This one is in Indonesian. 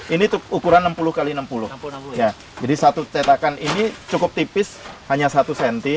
ini tuh ukuran enam puluh x enam puluh enam jadi satu cetakan ini cukup tipis hanya satu cm